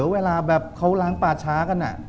เวลาแบบเขาล้างป่าช้ากัน